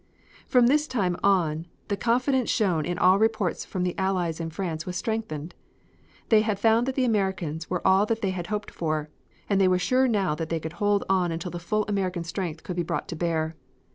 From this time on the confidence shown in all reports from the Allies in France was strengthened. They had found that the Americans were all that they had hoped for, and they were sure now that they could hold on until the full American strength could be brought to bear.